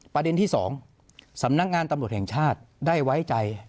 ประเด็นที่๒สำนักงานตำรวจแห่งชาติได้ไว้ใจ